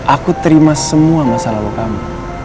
aku terima semua masalah lo kamu